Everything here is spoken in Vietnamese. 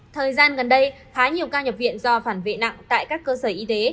thời gian gần đây khá nhiều ca nhập viện do phản vệ nặng tại các cơ sở y tế